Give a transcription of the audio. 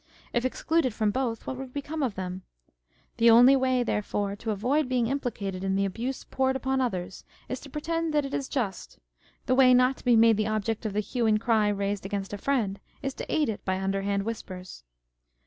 If excluded from both, what would become of them? The only way, therefore, to avoid being implicated in the abuse poured upon others is to pretend that it is just â€" the way not to be made the object of the hue and cry raised against a friend is to aid it by underhand whispers.